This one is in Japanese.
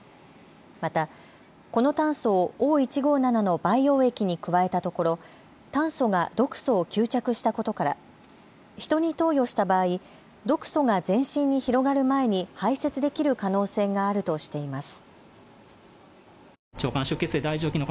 また、この炭素をＯ１５７の培養液に加えたところ炭素が毒素を吸着したことからヒトに投与した場合、毒素が全身に広がる前に排せつできる可能性があるとしています。